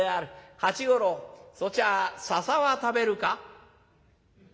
八五郎そちは酒は食べるか？」。